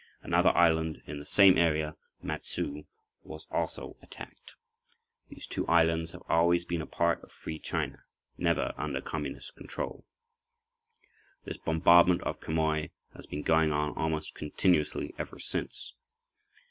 Another island in the same area, Matsu, was also attacked. These two islands have always been a part of Free China—never under Communist control. This bombardment of Quemoy has been going on almost continuously ever since.